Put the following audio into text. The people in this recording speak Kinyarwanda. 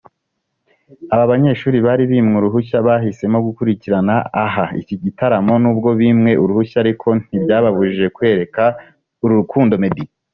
Aba banyeshuri bari bimwe uruhushya bahisemo gukurikiranira aha iki gitaramoNubwo bimwe uruhushya ariko ntibyababujije kwereka urukundo Meddy